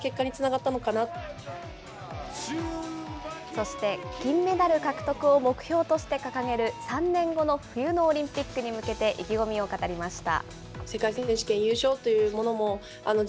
そして、金メダル獲得を目標として掲げる３年後の冬のオリンピックに向けて、意気込みを語りました。